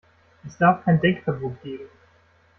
Es darf kein Denkverbot geben.